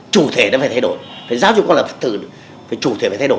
chủ thể nó phải thay đổi phải giáo dục con là phật tử phải chủ thể phải thay đổi